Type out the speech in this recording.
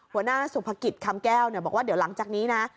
หัวหน้าสุภกิจคำแก้วบอกว่าเดี๋ยวหลังจากนี้นะ